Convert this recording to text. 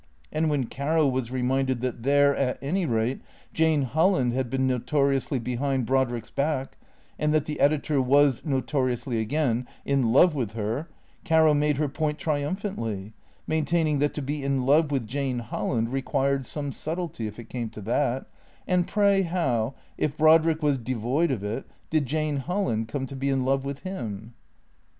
And when Caro was reminded that there, at any rate, Jane Holland had been notoriously behind Brodrick's back, and that the editor was, notoriously again, in love with her, Caro made her point triumphantly, maintaining that to be in love with Jane Holland required some subtlety, if it came to that; and pray how, if Brodrick was devoid of it, did Jane Holland come to be in love with hwi ?